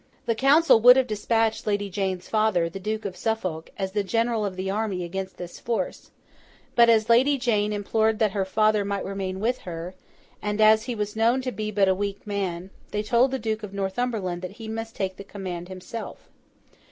The Council would have despatched Lady Jane's father, the Duke of Suffolk, as the general of the army against this force; but, as Lady Jane implored that her father might remain with her, and as he was known to be but a weak man, they told the Duke of Northumberland that he must take the command himself.